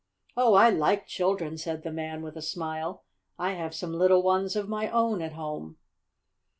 "Oh, I like children," said the man with a smile. "I have some little ones of my own at home."